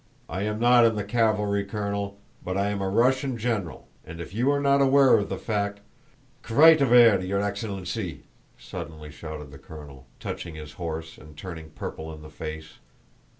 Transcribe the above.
"I am not in the cavalry, Colonel, but I am a Russian general and if you are not aware of the fact..." "Quite avare, your excellency," suddenly shouted the colonel, touching his horse and turning purple in the face.